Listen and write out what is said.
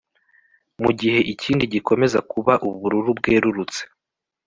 mugihe ikindi gikomeza kuba ubururu bwerurutse